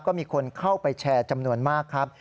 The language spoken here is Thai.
ก็มีคนเข้าไปแชร์จำนวนมากครับ